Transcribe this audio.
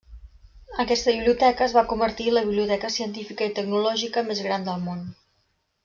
Aquesta biblioteca es va convertir en la biblioteca científica i tecnològica més gran del món.